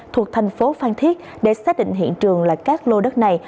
thuộc thành phố phan thiết để xác định hiện trường là các lô đất này